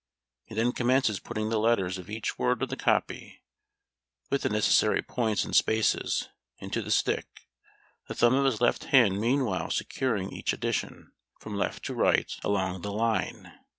He then commences putting the letters of each word of the copy, with the necessary points and spaces, into the stick, the thumb of his left hand meanwhile securing each addition, from left to right along the line.